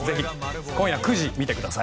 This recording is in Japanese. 今夜９時、見てください。